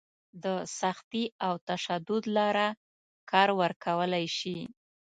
د سختي او تشدد لاره کار ورکولی شي.